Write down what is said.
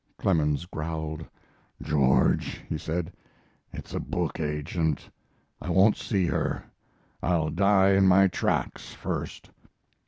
Clemens growled. "George," he said, "it's a book agent. I won't see her. I'll die, in my tracks first."